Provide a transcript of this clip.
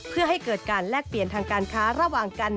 เพื่อให้เกิดการแลกเปลี่ยนทางการค้าระหว่างกัน